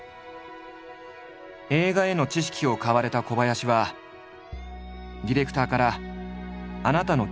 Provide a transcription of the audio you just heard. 映画への知識を買われた小林はディレクターからと頼まれたという。